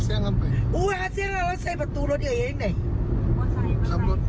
ขันลงดูแล้วเขาจะได้ก็เสียบลงอยู่